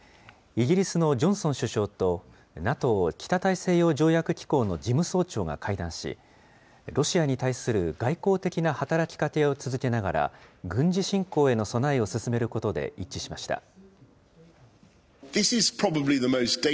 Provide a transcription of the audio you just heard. イギリスのジョンソン首相と、ＮＡＴＯ・北大西洋条約機構の事務総長が会談し、ロシアに対する外交的な働きかけを続けながら、軍事侵攻への備えを進めることで一致しました。